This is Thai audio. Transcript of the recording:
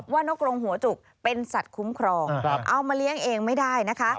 นกกรงหัวจุกเป็นสัตว์คุ้มครองเอามาเลี้ยงเองไม่ได้นะคะ